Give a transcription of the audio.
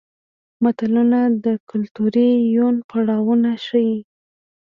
متلونه د کولتوري یون پړاوونه ښيي